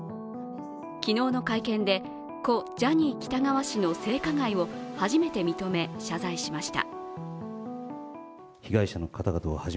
昨日の会見で故・ジャニー喜多川氏の性加害を初めて認め、謝罪しました。